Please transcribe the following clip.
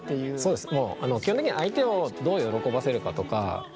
そうです。